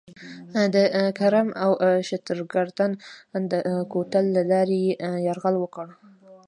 د کرم او شترګردن د کوتل له لارې یې یرغل وکړ.